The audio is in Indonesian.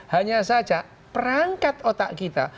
hanya saja perangkat otak kita